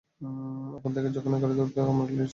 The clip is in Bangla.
এখন থেকে যখনই গাড়িতে উঠবো, আমার সিট বেল্ট বাঁধবো।